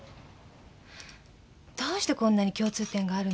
どうしてこんなに共通点があるの？